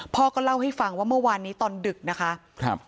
พ่อก็เล่าให้ฟังว่าเมื่อวานนี้ตอนดึกนะคะครับ